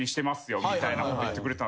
みたいなこと言ってくれた。